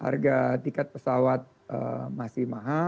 harga tiket pesawat masih mahal